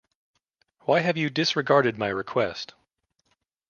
Why have you disregarded my request?